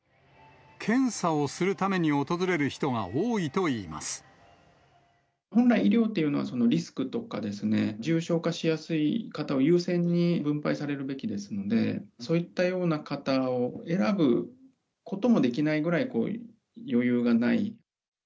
検査をするために訪れる人が本来、医療というのはリスクとか、重症化しやすい方を優先に分配されるべきですので、そういったような方を選ぶこともできないぐらい、余裕がない。